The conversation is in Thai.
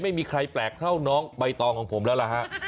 ไม่มีใครแปลกเท่าน้องใบตองของผมแล้วล่ะฮะ